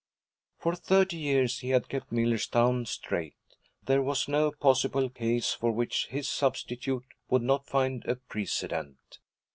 For thirty years he had kept Millerstown straight; there was no possible case for which his substitute would not find a precedent.